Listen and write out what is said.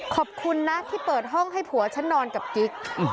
ขอบคุณนะที่เปิดห้องให้ผัวฉันนอนกับกิ๊ก